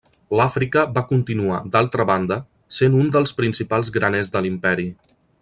L'Àfrica va continuar, d'altra banda, sent un dels principals graners de l'imperi.